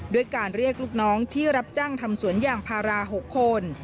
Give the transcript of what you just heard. ด้วยการเรียกลูกน้องที่รับจ้างทำสวนยางพารา๖คน